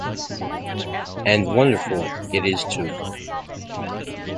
And wonderful it is too.